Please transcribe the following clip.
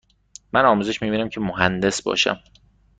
من آموزش می بینم که مهندس باشم.